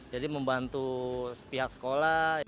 jadi membantu pihak sekolah